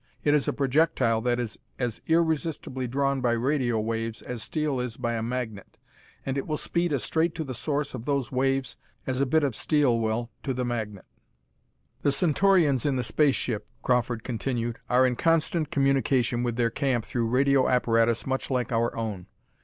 It is a projectile that is as irresistibly drawn by radio waves as steel is by a magnet, and it will speed as straight to the source of those waves as a bit of steel will to the magnet. "The Centaurians in the space ship," Crawford continued, "are in constant communication with their camp through radio apparatus much like our own.